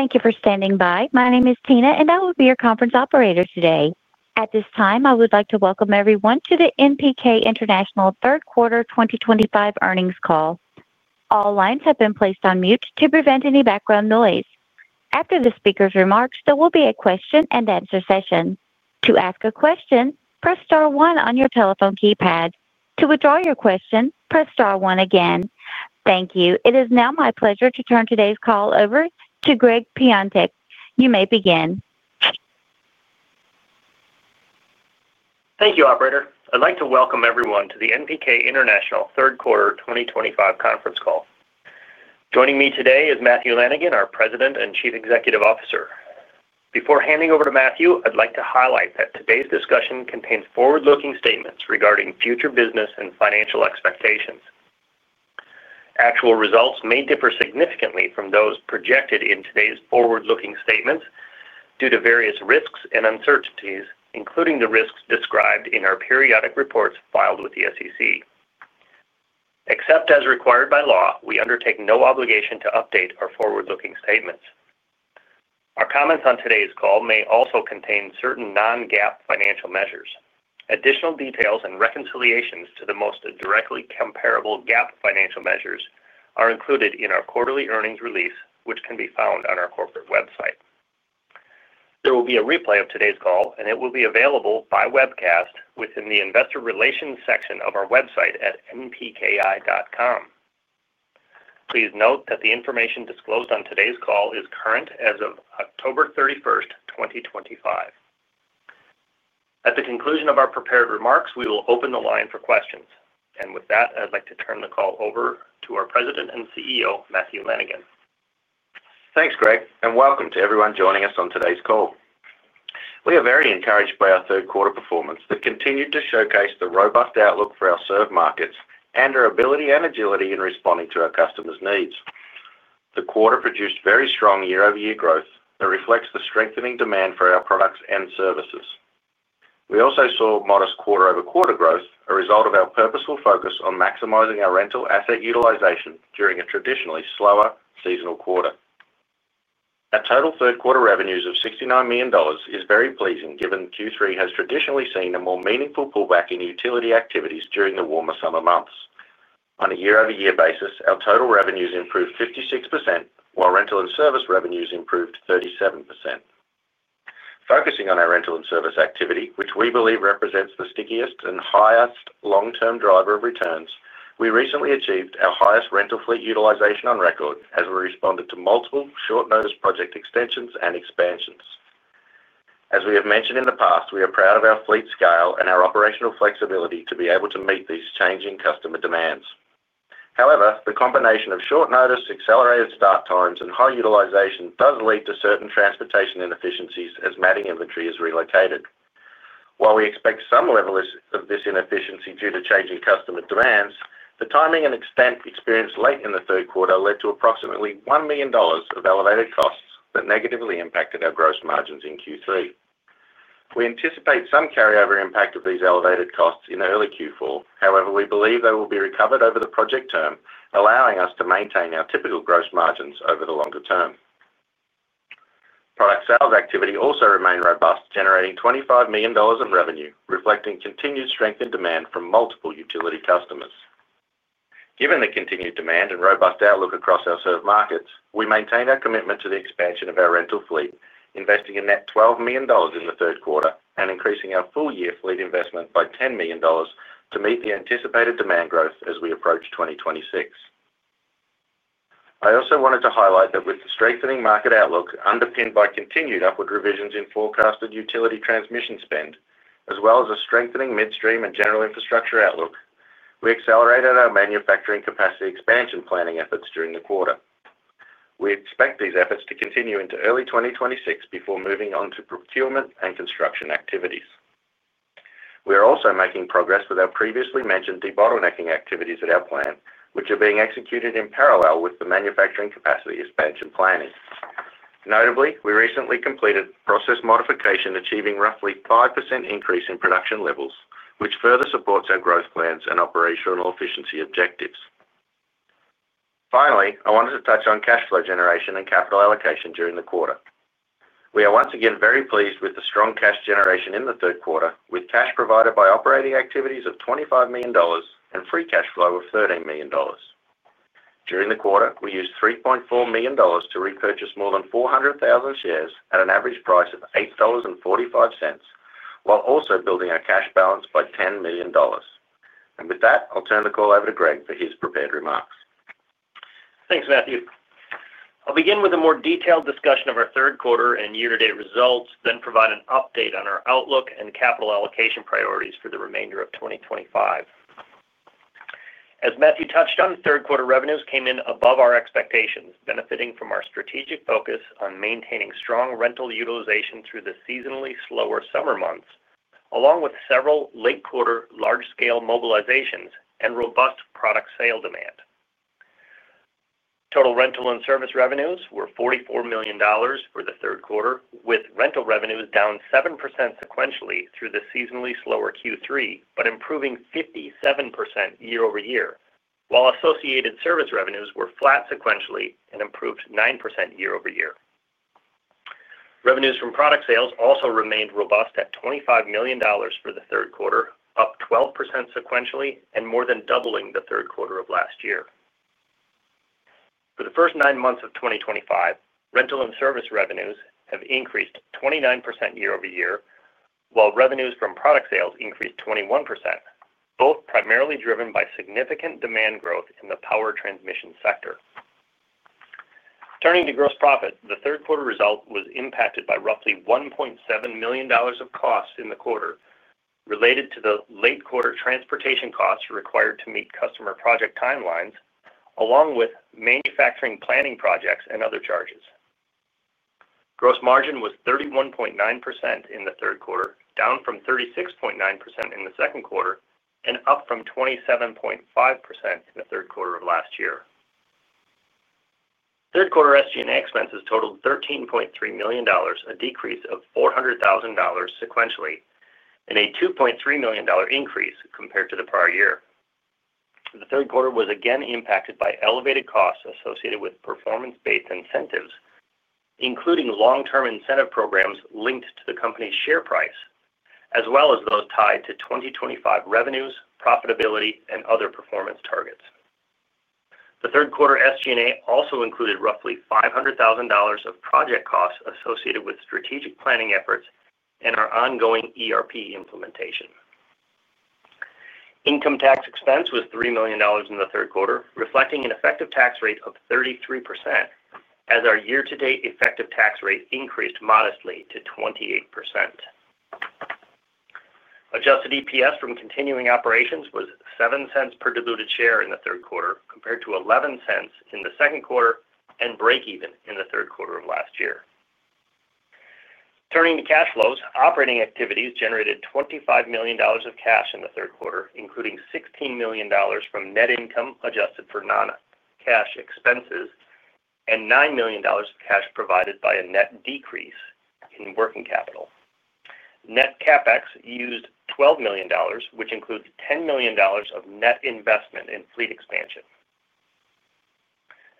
Thank you for standing by. My name is Tina, and I will be your conference operator today. At this time, I would like to welcome everyone to the NPK International third quarter 2025 earnings Call. All lines have been placed on mute to prevent any background noise. After the speaker's remarks, there will be a question-and-answer session. To ask a question, press star one on your telephone keypad. To withdraw your question, press star one again. Thank you. It is now my pleasure to turn today's call over to Gregg Piontek. You may begin. Thank you, Operator. I'd like to welcome everyone to the NPK International third quarter 2025 conference call. Joining me today is Matthew Lanigan, our President and Chief Executive Officer. Before handing over to Matthew, I'd like to highlight that today's discussion contains forward-looking statements regarding future business and financial expectations. Actual results may differ significantly from those projected in today's forward-looking statements due to various risks and uncertainties, including the risks described in our periodic reports filed with the SEC. Except as required by law, we undertake no obligation to update our forward-looking statements. Our comments on today's call may also contain certain non-GAAP financial measures. Additional details and reconciliations to the most directly comparable GAAP financial measures are included in our quarterly earnings release, which can be found on our corporate website. There will be a replay of today's call, and it will be available by webcast within the investor relations section of our website at npki.com. Please note that the information disclosed on today's call is current as of October 31st, 2025. At the conclusion of our prepared remarks, we will open the line for questions. With that, I'd like to turn the call over to our President and CEO, Matthew Lanigan. Thanks, Gregg, and welcome to everyone joining us on today's call. We are very encouraged by our third-quarter performance that continued to showcase the robust outlook for our serve markets and our ability and agility in responding to our customers' needs. The quarter produced very strong year-over-year growth that reflects the strengthening demand for our products and services. We also saw modest quarter-over-quarter growth, a result of our purposeful focus on maximizing our rental asset utilization during a traditionally slower seasonal quarter. Our total third-quarter revenues of $69 million is very pleasing given Q3 has traditionally seen a more meaningful pullback in utility activities during the warmer summer months. On a year-over-year basis, our total revenues improved 56%, while rental and service revenues improved 37%. Focusing on our rental and service activity, which we believe represents the stickiest and highest long-term driver of returns, we recently achieved our highest rental fleet utilization on record as we responded to multiple short-notice project extensions and expansions. As we have mentioned in the past, we are proud of our fleet scale and our operational flexibility to be able to meet these changing customer demands. However, the combination of short-notice, accelerated start times, and high utilization does lead to certain transportation inefficiencies as matting inventory is relocated. While we expect some level of this inefficiency due to changing customer demands, the timing and expense experienced late in the third quarter led to approximately $1 million of elevated costs that negatively impacted our gross margins in Q3. We anticipate some carryover impact of these elevated costs in early Q4. However, we believe they will be recovered over the project term, allowing us to maintain our typical gross margins over the longer term. Product sales activity also remained robust, generating $25 million of revenue, reflecting continued strength and demand from multiple utility customers. Given the continued demand and robust outlook across our serve markets, we maintain our commitment to the expansion of our rental fleet, investing a net $12 million in the third quarter and increasing our full-year fleet investment by $10 million to meet the anticipated demand growth as we approach 2026. I also wanted to highlight that with the strengthening market outlook underpinned by continued upward revisions in forecasted utility transmission spend, as well as a strengthening midstream and general infrastructure outlook, we accelerated our manufacturing capacity expansion planning efforts during the quarter. We expect these efforts to continue into early 2026 before moving on to procurement and construction activities. We are also making progress with our previously mentioned debottlenecking activities at our plant, which are being executed in parallel with the manufacturing capacity expansion planning. Notably, we recently completed process modification, achieving roughly a 5% increase in production levels, which further supports our growth plans and operational efficiency objectives. Finally, I wanted to touch on cash flow generation and capital allocation during the quarter. We are once again very pleased with the strong cash generation in the third quarter, with cash provided by operating activities of $25 million and free cash flow of $13 million. During the quarter, we used $3.4 million to repurchase more than 400,000 shares at an average price of $8.45, while also building our cash balance by $10 million. With that, I'll turn the call over to Gregg for his prepared remarks. Thanks, Matthew. I'll begin with a more detailed discussion of our third quarter and year-to-date results, then provide an update on our outlook and capital allocation priorities for the remainder of 2025. As Matthew touched on, third-quarter revenues came in above our expectations, benefiting from our strategic focus on maintaining strong rental utilization through the seasonally slower summer months, along with several late-quarter large-scale mobilizations and robust product sale demand. Total rental and service revenues were $44 million for the third quarter, with rental revenues down 7% sequentially through the seasonally slower Q3, but improving 57% year-over-year, while associated service revenues were flat sequentially and improved 9% year-over-year. Revenues from product sales also remained robust at $25 million for the third quarter, up 12% sequentially and more than doubling the third quarter of last year. For the first nine months of 2025, Rental and Service revenues have increased 29% year-over-year, while revenues from Product Sales increased 21%, both primarily driven by significant demand growth in the power transmission sector. Turning to gross profit, the third-quarter result was impacted by roughly $1.7 million of costs in the quarter related to the late-quarter transportation costs required to meet customer project timelines, along with manufacturing planning projects and other charges. Gross margin was 31.9% in the third quarter, down from 36.9% in the second quarter and up from 27.5% in the third quarter of last year. Third-quarter SG&A expenses totaled $13.3 million, a decrease of $400,000 sequentially, and a $2.3 million increase compared to the prior year. The third quarter was again impacted by elevated costs associated with performance-based incentives, including long-term incentive programs linked to the company's share price, as well as those tied to 2025 revenues, profitability, and other performance targets. The third-quarter SG&A also included roughly $500,000 of project costs associated with strategic planning efforts and our ongoing ERP implementation. Income tax expense was $3 million in the third quarter, reflecting an effective tax rate of 33%, as our year-to-date effective tax rate increased modestly to 28%. Adjusted EPS from continuing operations was $0.07 per diluted share in the third quarter, compared to $0.11 in the second quarter and break-even in the third quarter of last year. Turning to cash flows, operating activities generated $25 million of cash in the third quarter, including $16 million from net income adjusted for non-cash expenses and $9 million of cash provided by a net decrease in working capital. Net CapEx used $12 million, which includes $10 million of net investment in fleet expansion.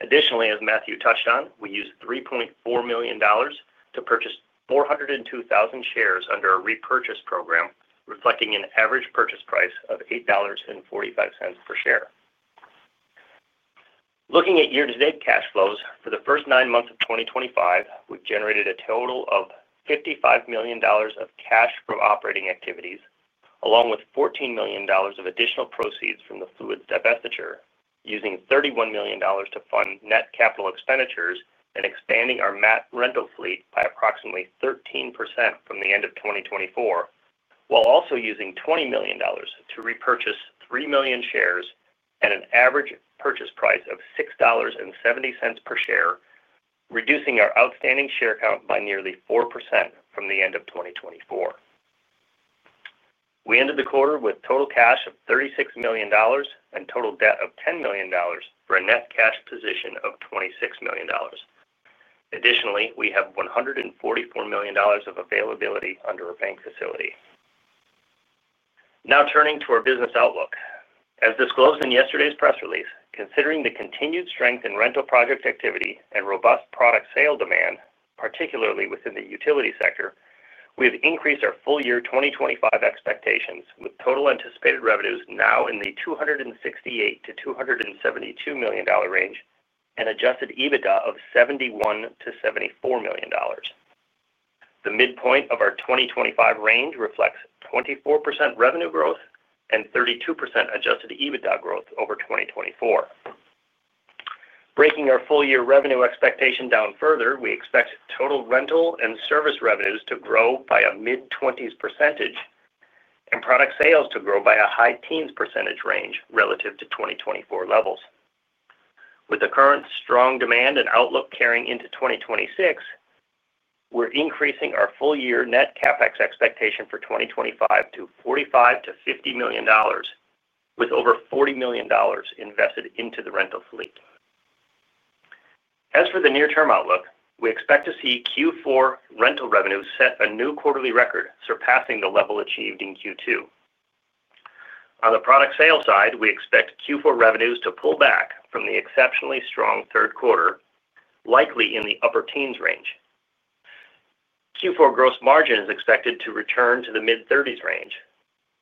Additionally, as Matthew touched on, we used $3.4 million to purchase 402,000 shares under a repurchase program, reflecting an average purchase price of $8.45 per share. Looking at year-to-date cash flows for the first nine months of 2025, we generated a total of $55 million of cash from operating activities, along with $14 million of additional proceeds from the fluids divestiture, using $31 million to fund net capital expenditures and expanding our rental fleet by approximately 13% from the end of 2024, while also using $20 million to repurchase 3 million shares at an average purchase price of $6.70 per share, reducing our outstanding share count by nearly 4% from the end of 2024. We ended the quarter with total cash of $36 million and total debt of $10 million for a net cash position of $26 million. Additionally, we have $144 million of availability under a bank facility. Now turning to our business outlook. As disclosed in yesterday's press release, considering the continued strength in rental project activity and robust product sale demand, particularly within the utility sector, we have increased our full-year 2025 expectations with total anticipated revenues now in the $268 million-$272 million range and Adjusted EBITDA of $71 million-$74 million. The midpoint of our 2025 range reflects 24% revenue growth and 32% Adjusted EBITDA growth over 2024. Breaking our full-year revenue expectation down further, we expect total Rental and Service revenues to grow by a mid-20s % and Product Sales to grow by a high teens % range relative to 2024 levels, with the current strong demand and outlook carrying into 2026. We're increasing our full-year net CapEx expectation for 2025 to $45 million-$50 million, with over $40 million invested into the Rental Fleet. As for the near-term outlook, we expect to see Q4 Rental revenues set a new quarterly record, surpassing the level achieved in Q2. On the Product Sales side, we expect Q4 revenues to pull back from the exceptionally strong third quarter, likely in the upper teens % range. Q4 gross margin is expected to return to the mid-30% range,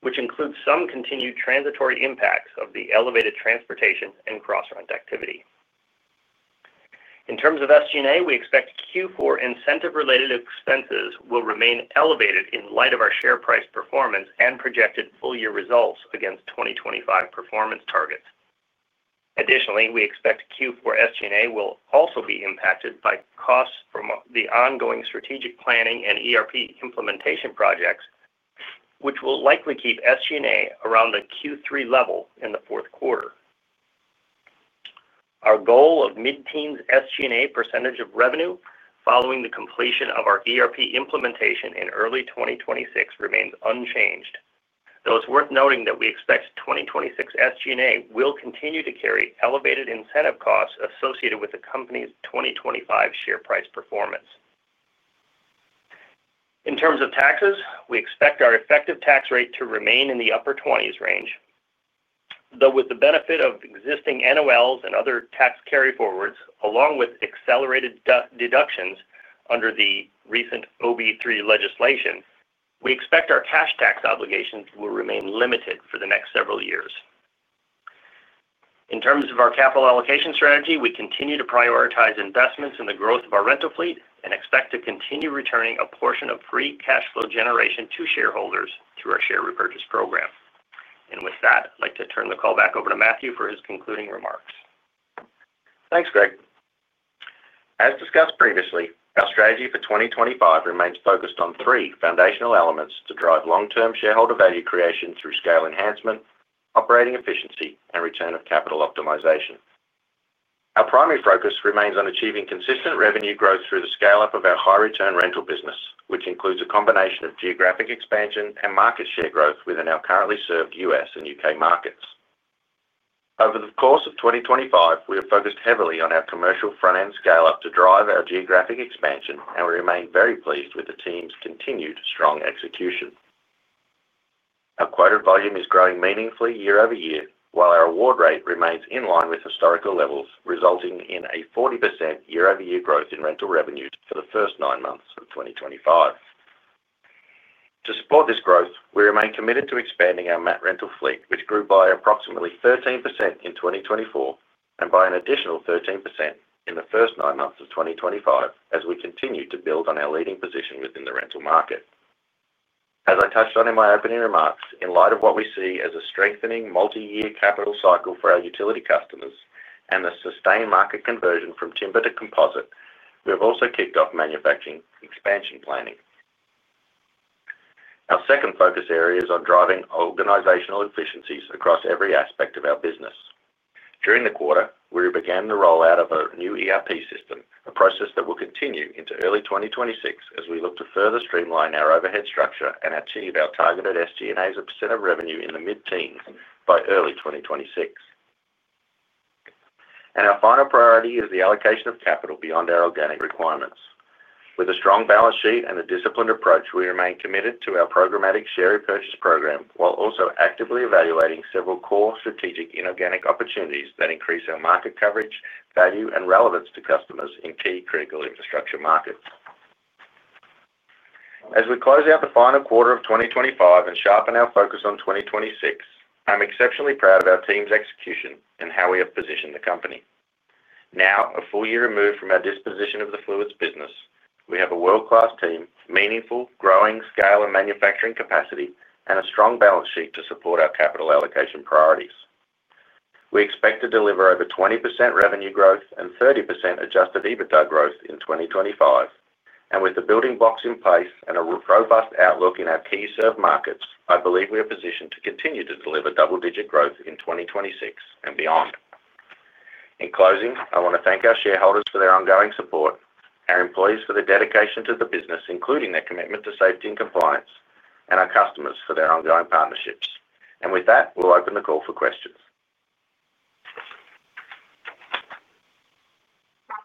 which includes some continued transitory impacts of the elevated transportation and cross-run activity. In terms of SG&A, we expect Q4 incentive-related expenses will remain elevated in light of our share price performance and projected full-year results against 2025 performance targets. Additionally, we expect Q4 SG&A will also be impacted by costs from the ongoing strategic planning and ERP implementation projects, which will likely keep SG&A around the Q3 level in the fourth quarter. Our goal of mid-teens SG&A percentage of revenue following the completion of our ERP implementation in early 2026 remains unchanged, though it's worth noting that we expect 2026 SG&A will continue to carry elevated incentive costs associated with the company's 2025 share price performance. In terms of taxes, we expect our effective tax rate to remain in the upper 20% range. With the benefit of existing NOLs and other tax carryforwards, along with accelerated deductions under the recent OB3 legislation, we expect our cash tax obligations will remain limited for the next several years. In terms of our capital allocation strategy, we continue to prioritize investments in the growth of our rental fleet and expect to continue returning a portion of free cash flow generation to shareholders through our share repurchase program. I'd like to turn the call back over to Matthew for his concluding remarks. Thanks, Gregg. As discussed previously, our strategy for 2025 remains focused on three foundational elements to drive long-term shareholder value creation through scale enhancement, operating efficiency, and return of capital optimization. Our primary focus remains on achieving consistent revenue growth through the scale-up of our high-return rental business, which includes a combination of geographic expansion and market share growth within our currently served U.S. and U.K. markets. Over the course of 2025, we have focused heavily on our commercial front-end scale-up to drive our geographic expansion, and we remain very pleased with the team's continued strong execution. Our quoted volume is growing meaningfully year-over-year, while our award rate remains in line with historical levels, resulting in a 40% year-over-year growth in rental revenues for the first nine months of 2025. To support this growth, we remain committed to expanding our mat rental fleet, which grew by approximately 13% in 2024 and by an additional 13% in the first nine months of 2025, as we continue to build on our leading position within the rental market. As I touched on in my opening remarks, in light of what we see as a strengthening multi-year capital cycle for our utility customers and the sustained market conversion from timber to composite, we have also kicked off manufacturing expansion planning. Our second focus area is on driving organizational efficiencies across every aspect of our business. During the quarter, we began the rollout of a new ERP system, a process that will continue into early 2026 as we look to further streamline our overhead structure and achieve our targeted SG&A as a % of revenue in the mid-teens by early 2026. Our final priority is the allocation of capital beyond our organic requirements. With a strong balance sheet and a disciplined approach, we remain committed to our programmatic share repurchase program, while also actively evaluating several core strategic inorganic opportunities that increase our market coverage, value, and relevance to customers in key critical infrastructure markets. As we close out the final quarter of 2025 and sharpen our focus on 2026, I'm exceptionally proud of our team's execution and how we have positioned the company. Now, a full year removed from our disposition of the fluids business, we have a world-class team, meaningful, growing scale and manufacturing capacity, and a strong balance sheet to support our capital allocation priorities. We expect to deliver over 20% revenue growth and 30% Adjusted EBITDA growth in 2025. With the building blocks in place and a robust outlook in our key serve markets, I believe we are positioned to continue to deliver double-digit growth in 2026 and beyond. In closing, I want to thank our shareholders for their ongoing support, our employees for their dedication to the business, including their commitment to safety and compliance, and our customers for their ongoing partnerships. With that, we'll open the call for questions.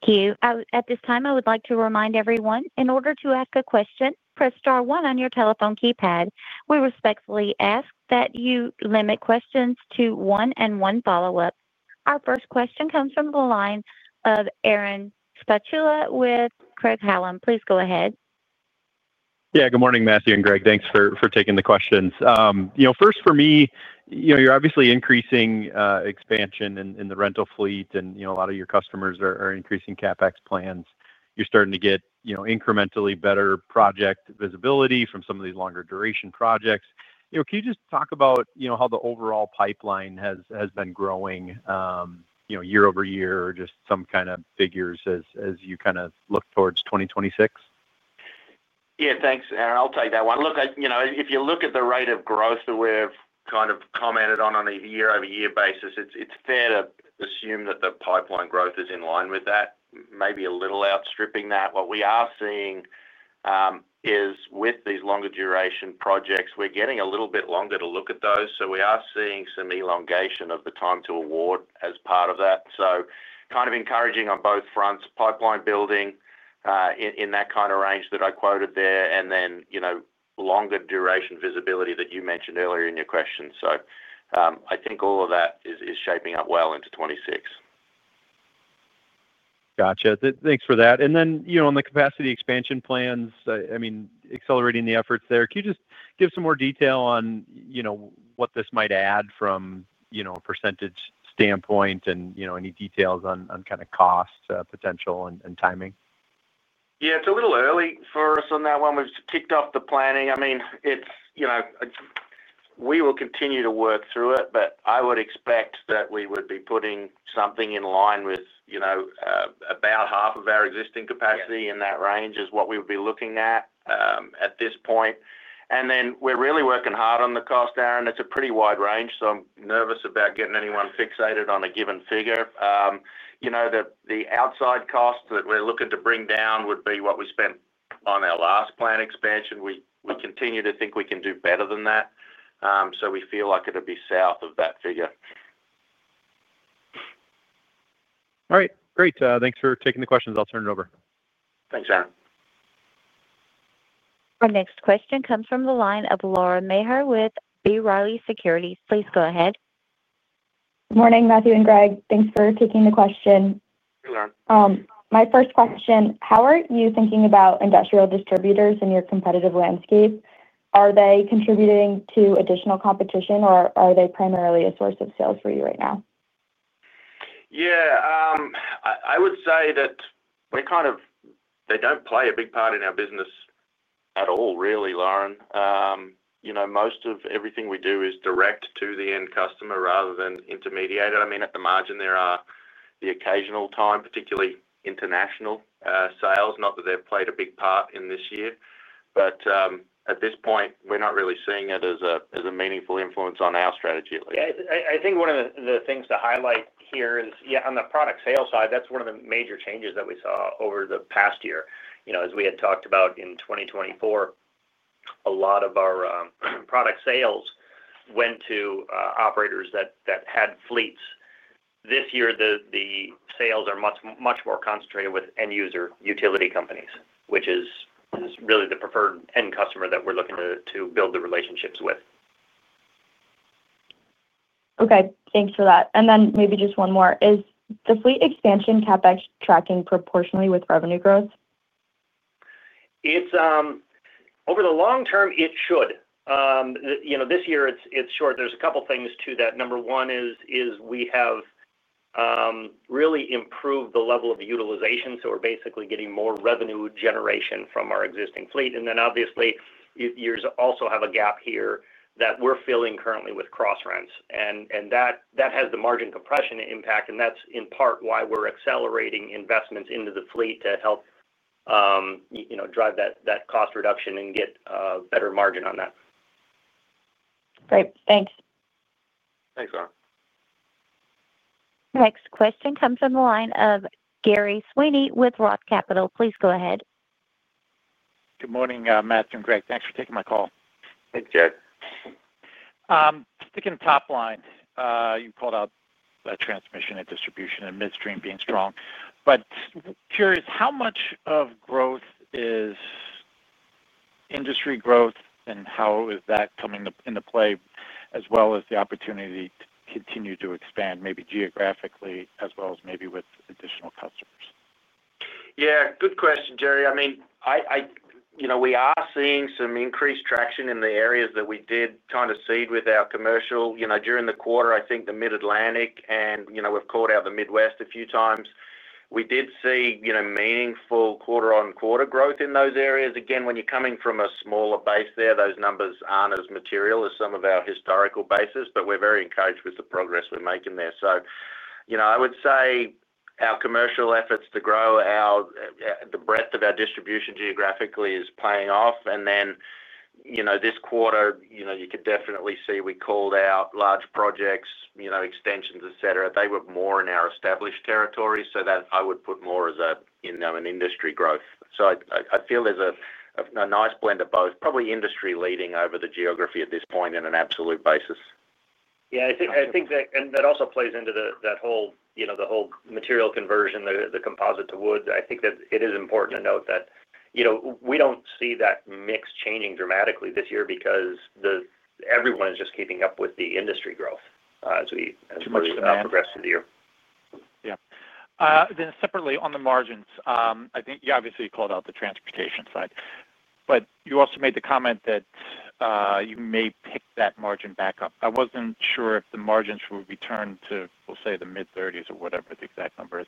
Thank you. At this time, I would like to remind everyone, in order to ask a question, press star one on your telephone keypad. We respectfully ask that you limit questions to one and one follow-up. Our first question comes from the line of Aaron Spychalla with Craig-Hallum. Please go ahead. Yeah, good morning, Matthew and Gregg. Thanks for taking the questions. First, for me, you're obviously increasing expansion in the rental fleet, and a lot of your customers are increasing CapEx plans. You're starting to get incrementally better project visibility from some of these longer duration projects. Can you just talk about how the overall pipeline has been growing, year-over-year, or just some kind of figures as you kind of look towards 2026? Yeah, thanks, Aaron. I'll take that one. Look, if you look at the rate of growth that we've kind of commented on on a year-over-year basis, it's fair to assume that the pipeline growth is in line with that, maybe a little outstripping that. What we are seeing is with these longer duration projects, we're getting a little bit longer to look at those. We are seeing some elongation of the time to award as part of that. Kind of encouraging on both fronts, pipeline building in that kind of range that I quoted there, and then longer duration visibility that you mentioned earlier in your question. I think all of that is shaping up well into 2026. Gotcha. Thanks for that. On the capacity expansion plans, accelerating the efforts there, can you just give some more detail on what this might add from a % standpoint and any details on kind of cost potential and timing? Yeah, it's a little early for us on that one. We've kicked off the planning. We will continue to work through it, but I would expect that we would be putting something in line with about half of our existing capacity in that range is what we would be looking at at this point. We're really working hard on the cost, Aaron. It's a pretty wide range, so I'm nervous about getting anyone fixated on a given figure. The outside cost that we're looking to bring down would be what we spent on our last plant expansion. We continue to think we can do better than that. We feel like it would be south of that figure. All right. Great. Thanks for taking the questions. I'll turn it over. Thanks, Aaron. Our next question comes from the line of Laura Maher with B. Riley Securities. Please go ahead. Good morning, Matthew and Gregg. Thanks for taking the question. My first question, how are you thinking about industrial distributors in your competitive landscape? Are they contributing to additional competition, or are they primarily a source of sales for you right now? Yeah. I would say that. They don't play a big part in our business at all, really, Laura. Most of everything we do is direct to the end customer rather than intermediated. I mean, at the margin, there are the occasional times, particularly international sales, not that they've played a big part in this year. At this point, we're not really seeing it as a meaningful influence on our strategy, at least. I think one of the things to highlight here is, yeah, on the product sale side, that's one of the major changes that we saw over the past year. As we had talked about in 2024, a lot of our product sales went to operators that had fleets. This year, the sales are much more concentrated with end-user utility companies, which is really the preferred end customer that we're looking to build the relationships with. Okay. Thanks for that. Maybe just one more. Is the fleet expansion CapEx tracking proportionally with revenue growth? Over the long term, it should. This year, it's short. There's a couple of things to that. Number one is we have really improved the level of utilization. We're basically getting more revenue generation from our existing fleet. You also have a gap here that we're filling currently with cross-rents, and that has the margin compression impact. That is in part why we're accelerating investments into the fleet to help drive that cost reduction and get a better margin on that. Great. Thanks. Thanks, Laura. Next question comes from the line of Gerry Sweeney with ROTH Capital. Please go ahead. Good morning, Matthew and Gregg. Thanks for taking my call. Thanks, Gregg. Sticking top line, you called out that transmission and distribution and midstream being strong. Curious, how much of growth is industry growth, and how is that coming into play, as well as the opportunity to continue to expand, maybe geographically, as well as maybe with additional customers? Yeah. Good question, Gerry. We are seeing some increased traction in the areas that we did kind of seed with our commercial during the quarter. I think the Mid-Atlantic, and we've called out the Midwest a few times. We did see meaningful quarter-on-quarter growth in those areas. When you're coming from a smaller base there, those numbers aren't as material as some of our historical bases, but we're very encouraged with the progress we're making there. I would say our commercial efforts to grow the breadth of our distribution geographically is paying off. This quarter, you could definitely see we called out large projects, extensions, etc. They were more in our established territory, so that I would put more as an industry growth. I feel there's a nice blend of both, probably industry leading over the geography at this point in an absolute basis. I think that, and that also plays into that whole material conversion, the composite to wood. I think that it is important to note that we don't see that mix changing dramatically this year because everyone is just keeping up with the industry growth as we progress through the year. Yeah. On the margins, I think you obviously called out the transportation side. You also made the comment that you may pick that margin back up. I wasn't sure if the margins would return to, we'll say, the mid-30% or whatever the exact number is,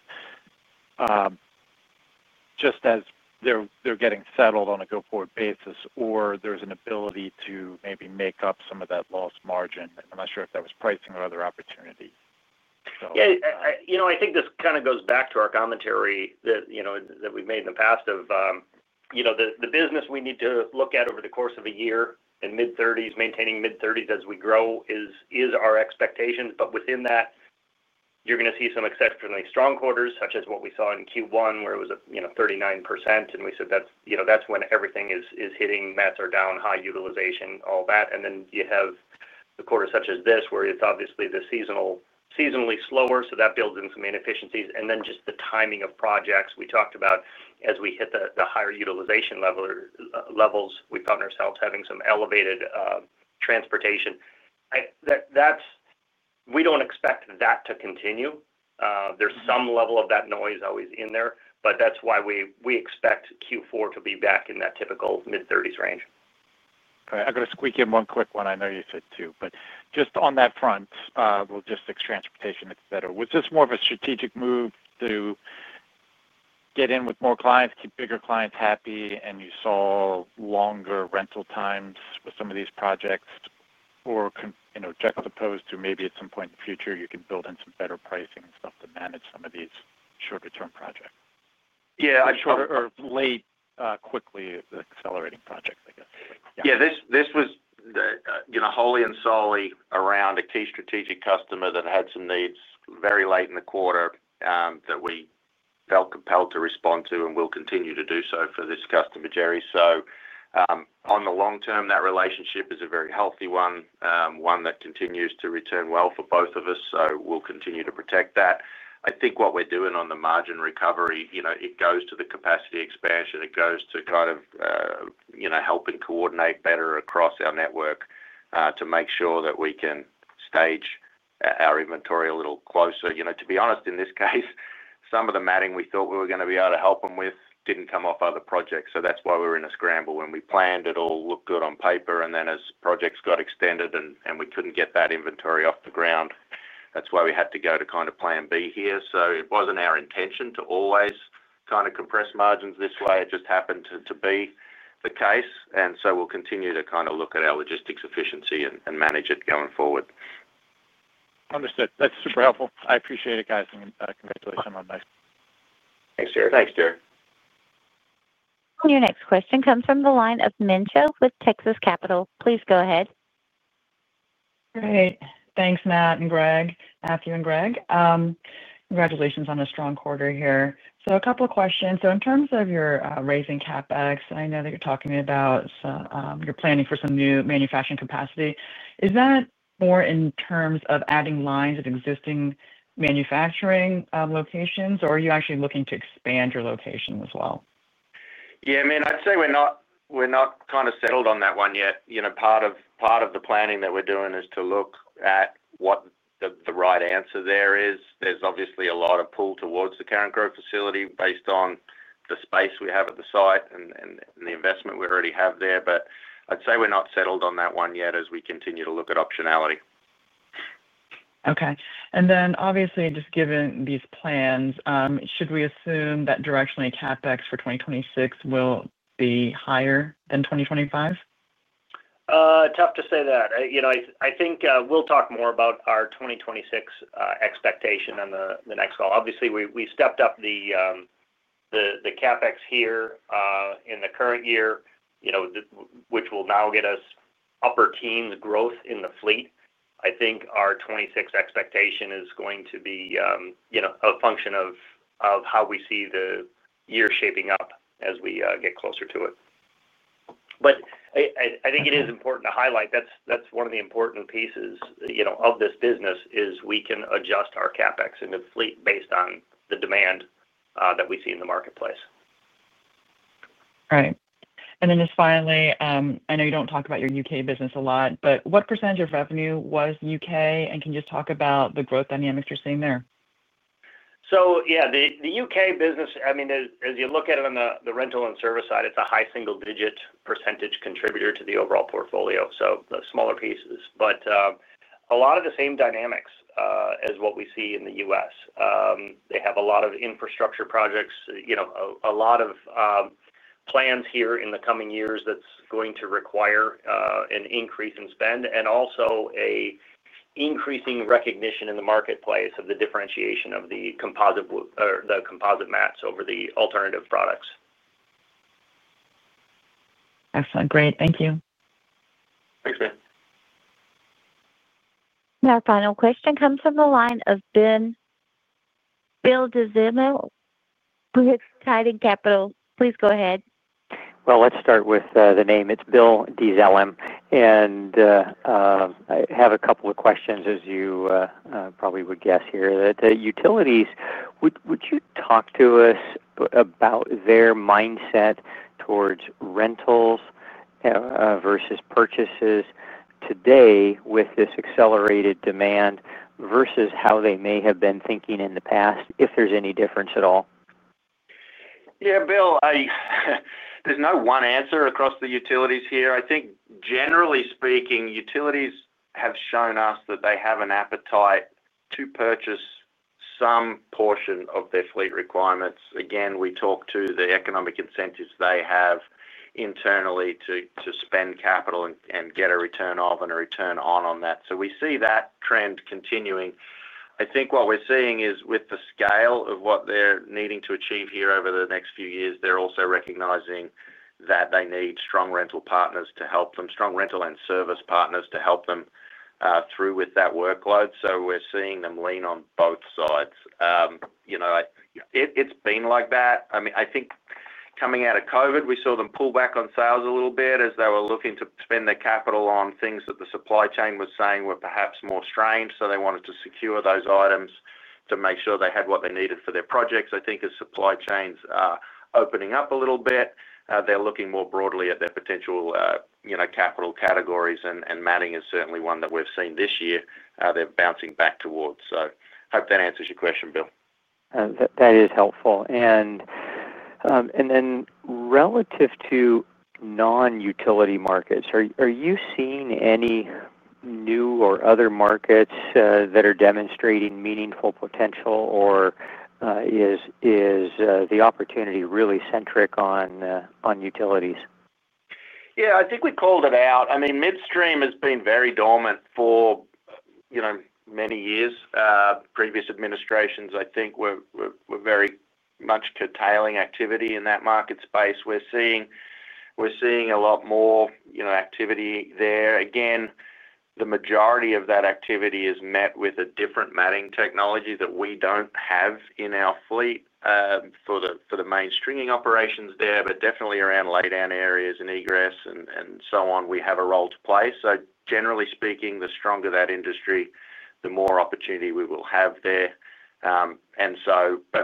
just as they're getting settled on a go-forward basis, or there's an ability to maybe make up some of that lost margin. I'm not sure if that was pricing or other opportunity. Yeah. I think this kind of goes back to our commentary that we've made in the past. The business we need to look at over the course of a year in mid-30s, maintaining mid-30s as we grow, is our expectation. Within that, you're going to see some exceptionally strong quarters, such as what we saw in Q1, where it was 39%. We said that's when everything is hitting mets or down, high utilization, all that. You have the quarter such as this, where it's obviously the seasonally slower, so that builds in some inefficiencies. The timing of projects we talked about as we hit the higher utilization levels, we found ourselves having some elevated transportation. We don't expect that to continue. There's some level of that noise always in there, but that's why we expect Q4 to be back in that typical mid-30s range. All right. I'm going to squeak in one quick one. I know you said two, but just on that front, logistics, transportation, etc., was this more of a strategic move to get in with more clients, keep bigger clients happy, and you saw longer rental times with some of these projects, or juxtaposed to maybe at some point in the future, you can build in some better pricing and stuff to manage some of these shorter-term projects? Yeah. Short or late, Quickly accelerating projects, I guess. Yeah. This was wholly and solely around a key strategic customer that had some needs very late in the quarter that we felt compelled to respond to and will continue to do so for this customer, Gerry. On the long term, that relationship is a very healthy one, one that continues to return well for both of us. We'll continue to protect that. I think what we're doing on the margin recovery goes to the capacity expansion. It goes to kind of helping coordinate better across our network to make sure that we can stage our inventory a little closer. To be honest, in this case, some of the matting we thought we were going to be able to help them with didn't come off other projects. That's why we're in a scramble. When we planned it, all looked good on paper. As projects got extended and we couldn't get that inventory off the ground, that's why we had to go to kind of plan B here. It wasn't our intention to always kind of compress margins this way. It just happened to be the case. We'll continue to kind of look at our logistics efficiency and manage it going forward. Understood. That's super helpful. I appreciate it, guys. Congratulations on that. Thanks, Gerry. Thanks, Gerry. Your next question comes from the line of Min Cho with Texas Capital. Please go ahead. Great. Thanks, Matt and Gregg. Matthew and Gregg. Congratulations on a strong quarter here. A couple of questions. In terms of your raising CapEx, and I know that you're talking about your planning for some new manufacturing capacity, is that more in terms of adding lines at existing manufacturing locations, or are you actually looking to expand your location as well? Yeah, I'd say we're not kind of settled on that one yet. Part of the planning that we're doing is to look at what the right answer there is. There's obviously a lot of pull towards the current growth facility based on the space we have at the site and the investment we already have there. I'd say we're not settled on that one yet as we continue to look at optionality. Okay. Obviously, just given these plans, should we assume that directionally CapEx for 2026 will be higher than 2025? Tough to say that. I think we'll talk more about our 2026 expectation and the next goal. Obviously, we stepped up the CapEx here in the current year, which will now get us upper teens growth in the fleet. I think our 2026 expectation is going to be a function of how we see the year shaping up as we get closer to it. I think it is important to highlight that's one of the important pieces of this business, as we can adjust our CapEx in the fleet based on the demand that we see in the marketplace. All right. Finally, I know you don't talk about your U.K. business a lot, but what % of revenue was U.K? Can you just talk about the growth dynamics you're seeing there? The U.K. business, I mean, as you look at it on the rental and service side, it's a high single-digit % contributor to the overall portfolio. The smaller pieces, but a lot of the same dynamics as what we see in the U.S. They have a lot of infrastructure projects, a lot of plans here in the coming years that's going to require an increase in spend, and also an increasing recognition in the marketplace of the differentiation of the composite matting over the alternative products. Excellent. Great. Thank you. Our final question comes from the line of Bill Dezellem with Tieton Capital. Please go ahead. It's Bill Dezellem. I have a couple of questions, as you probably would guess here, that utilities, would you talk to us about their mindset towards rentals versus purchases today with this accelerated demand versus how they may have been thinking in the past, if there's any difference at all? Yeah, Bill. There's no one answer across the utilities here. I think, generally speaking, utilities have shown us that they have an appetite to purchase some portion of their fleet requirements. Again, we talk to the economic incentives they have internally to spend capital and get a return off and a return on that. We see that trend continuing. I think what we're seeing is with the scale of what they're needing to achieve here over the next few years, they're also recognizing that they need strong rental partners to help them, strong rental and service partners to help them through with that workload. We're seeing them lean on both sides. It's been like that. I think coming out of COVID, we saw them pull back on sales a little bit as they were looking to spend their capital on things that the supply chain was saying were perhaps more strange. They wanted to secure those items to make sure they had what they needed for their projects. I think as supply chains are opening up a little bit, they're looking more broadly at their potential capital categories. Matting is certainly one that we've seen this year they're bouncing back towards. I hope that answers your question, Bill. That is helpful. Relative to non-utility markets, are you seeing any new or other markets that are demonstrating meaningful potential, or is the opportunity really centric on utilities? Yeah. I think we called it out. I mean, midstream has been very dormant for many years. Previous administrations, I think, were very much curtailing activity in that market space. We're seeing a lot more activity there. Again, the majority of that activity is met with a different matting technology that we don't have in our fleet for the midstreaming operations there, but definitely around lay-down areas and egress and so on, we have a role to play. Generally speaking, the stronger that industry, the more opportunity we will have there.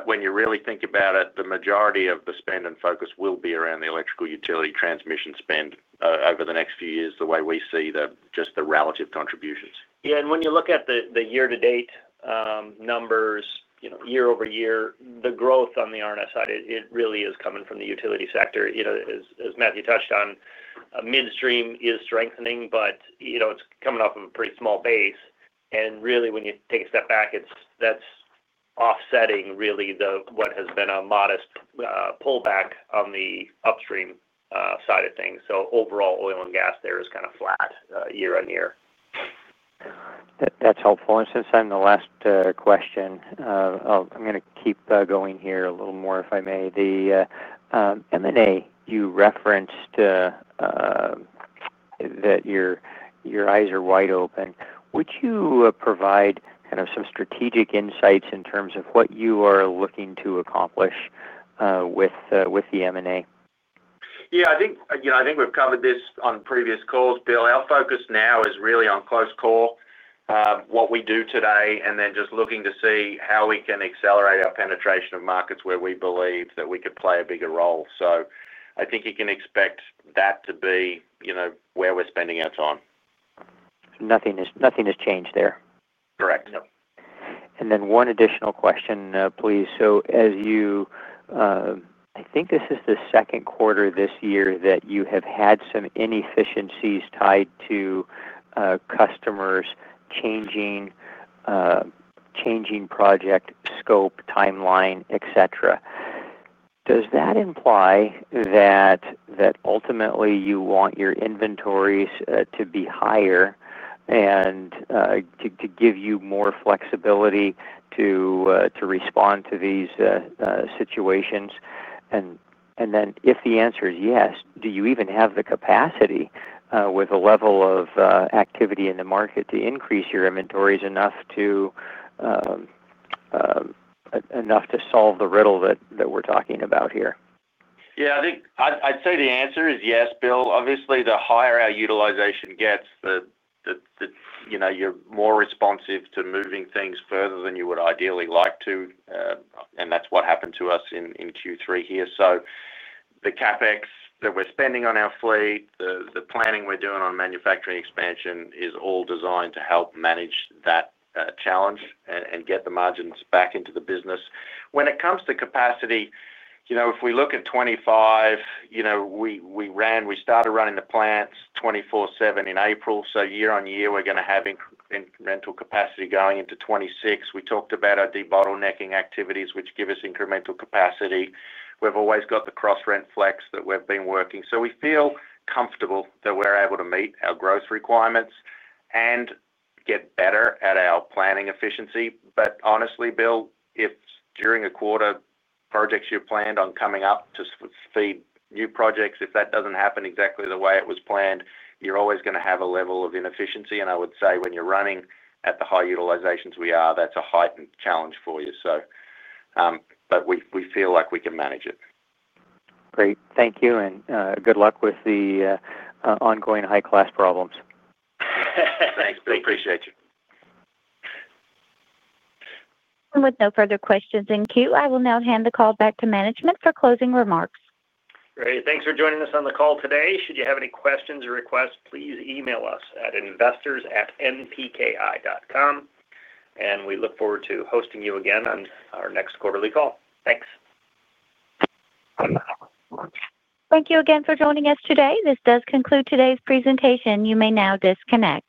When you really think about it, the majority of the spend and focus will be around the electrical utility transmission spend over the next few years the way we see just the relative contributions. Yeah. When you look at the year-to-date numbers, year-over-year, the growth on the R&S side, it really is coming from the utility sector. As Matthew touched on, midstream is strengthening, but it's coming off of a pretty small base. Really, when you take a step back, that's offsetting really what has been a modest pullback on the upstream side of things. Overall, oil and gas there is kind of flat year-on-year. That's helpful. Since I'm the last question, I'm going to keep going here a little more, if I may. The M&A you referenced, that your eyes are wide open, would you provide kind of some strategic insights in terms of what you are looking to accomplish with the M&A? I think we've covered this on previous calls, Bill. Our focus now is really on close call, what we do today, and then just looking to see how we can accelerate our penetration of markets where we believe that we could play a bigger role. I think you can expect that to be where we're spending our time. Nothing has changed there. Correct. Yep. One additional question, please. This is the second quarter this year that you have had some inefficiencies tied to customers changing project scope, timeline, etc. Does that imply that ultimately you want your inventories to be higher to give you more flexibility to respond to these situations? If the answer is yes, do you even have the capacity with the level of activity in the market to increase your inventories enough to solve the riddle that we're talking about here? Yeah. I think I'd say the answer is yes, Bill. Obviously, the higher our utilization gets, you're more responsive to moving things further than you would ideally like to. That's what happened to us in Q3 here. The CapEx that we're spending on our fleet and the planning we're doing on manufacturing expansion is all designed to help manage that challenge and get the margins back into the business. When it comes to capacity, if we look at 2025, we started running the plants 24/7 in April. year-on-year, we're going to have incremental capacity going into 2026. We talked about our debottlenecking activities, which give us incremental capacity. We've always got the cross-rent flex that we've been working. We feel comfortable that we're able to meet our growth requirements and get better at our planning efficiency. Honestly, Bill, if during a quarter projects you've planned on coming up to feed new projects, if that doesn't happen exactly the way it was planned, you're always going to have a level of inefficiency. I would say when you're running at the high utilizations we are, that's a heightened challenge for you. We feel like we can manage it. Great. Thank you, and good luck with the ongoing high-class problems. Thanks, Bill. Appreciate you. With no further questions in queue, I will now hand the call back to management for closing remarks. Great. Thanks for joining us on the call today. Should you have any questions or requests, please email us at investors@npki.com. We look forward to hosting you again on our next quarterly call. Thanks. Thank you again for joining us today. This does conclude today's presentation. You may now disconnect.